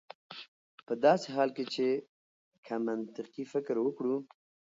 په داسې حال کې چې که منطقي فکر وکړو